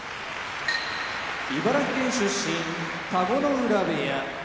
茨城県出身田子ノ浦部屋小結豊昇